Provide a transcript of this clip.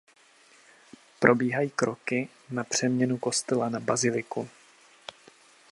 Probíhají kroky na přeměnu kostela na baziliku.